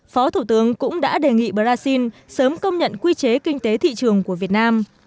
phó thủ tướng cũng đã đề nghị brazil sớm công nhận quy chế kinh tế thị trường của việt nam